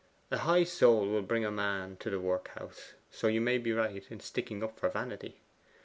A high soul will bring a man to the workhouse; so you may be right in sticking up for vanity.